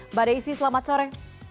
mbak desi selamat sore